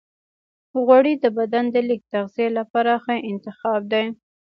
غوړې د بدن د لږ تغذیې لپاره ښه انتخاب دی.